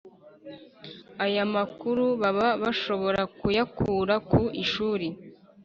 aya makuru baba bashobora kuyakura ku ishuri